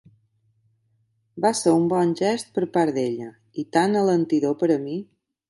Va ser un bon gest per part d'ella; i tant alentidor per a mi!